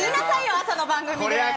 朝の番組で！